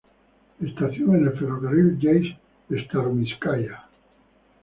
Estación en el ferrocarril Yeisk-Starominskaya.